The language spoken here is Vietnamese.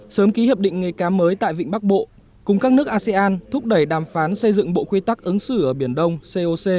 sớm ký hiệp định nghề cá mới tại vịnh bắc bộ cùng các nước asean thúc đẩy đàm phán xây dựng bộ quy tắc ứng xử ở biển đông coc